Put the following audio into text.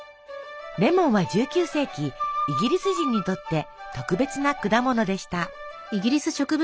レモンは１９世紀イギリス人にとって特別な果物でした。